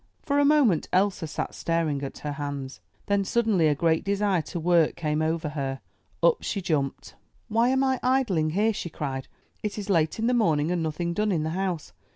For a moment Elsa sat staring at her hands. Then suddenly a great desire to work came over her. Up she jumped. 'Why am I idling here?*' she cried. 'It is late in the morning and nothing done in the house!'